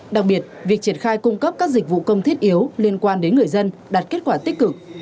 đặc biệt việc triển khai cung cấp các dịch vụ công thiết yếu liên quan đến người dân đạt kết quả tích cực